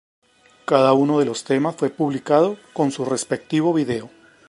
Cada uno de los temas fue publicado con su respectivo video.